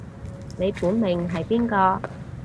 你本命係邊個